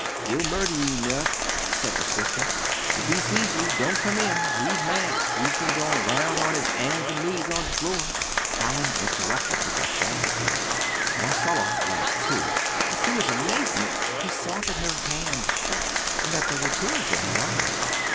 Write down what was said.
'He'll murder you, Nuss!' said the sister, 'if he sees you! Don't come in! he's mad he's been going round on 'is 'ands and knees on the floor!'" Hallin interrupted with a shout of laughter. Marcella laughed too; but to his amazement he saw that her hand shook, and that there were tears in her eyes.